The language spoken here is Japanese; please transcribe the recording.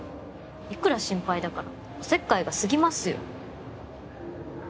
いくら心配だからっておせっかいが過ぎますよ。